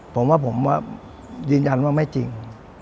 ผมว่าผมยืนยันว่าไม่จริง